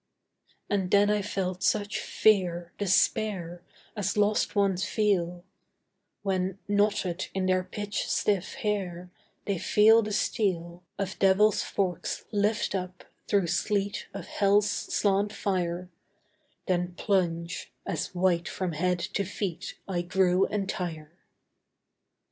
And then I felt such fear, despair, As lost ones feel, When, knotted in their pitch stiff hair, They feel the steel Of devils' forks lift up, through sleet Of Hell's slant fire, Then plunge, as white from head to feet I grew entire.